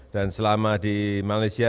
dan selama di malaysia